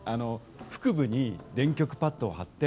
腹部に電極パッドを貼って。